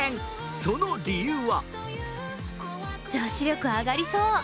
その理由は？